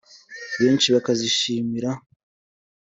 benshi bakazishimira